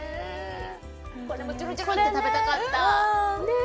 これもちゅるちゅるって食べたかった。